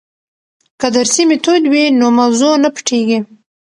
که درسي میتود وي نو موضوع نه پټیږي.